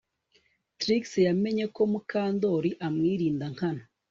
Trix yamenye ko Mukandoli amwirinda nkana